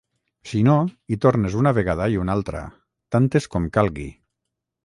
Si no, hi tornes una vegada i una altra, tantes com calgui.